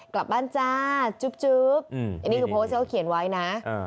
กลับบ้านจ้าจึ๊บอันนี้คือโพสต์ที่เขาเขียนไว้นะ